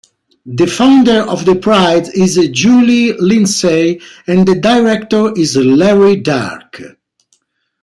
The founder of the prize is Julie Lindsey, and the director is Larry Dark.